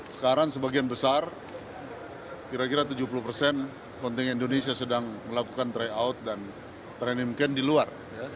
sekarang sebagian besar kira kira tujuh puluh persen kontingen indonesia sedang melakukan tryout dan training camp di luar